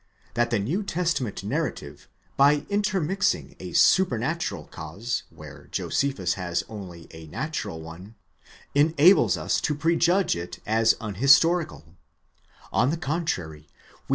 that the New Testament narrarive, by intermixing a supernatural cause where Josephus has only a natural one, enables us to prejudge it as unhistorical ; on the contrary, we might here give 1 Antiq.